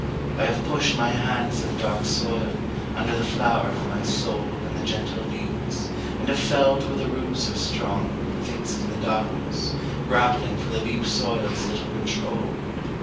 I have pushed my hands in the dark soil, under the flower of my soul And the gentle leaves, and have felt where the roots are strong Fixed in the darkness, grappling for the deep soil's little control.